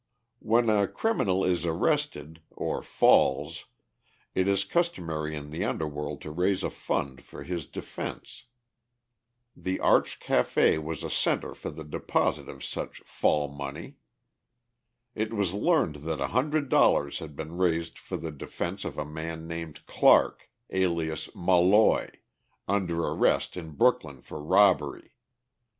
When a criminal is arrested (or "falls") it is customary in the underworld to raise a fund for his defense. The Arch Café was a center for the deposit of such "fall money." It was learned that a hundred dollars had been raised for the defense of a man named Clarke, alias "Molloy," under arrest in Brooklyn for robbery.